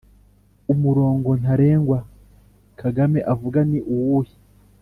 Umurongo ntarengwa Kagame avuga ni uwuhe?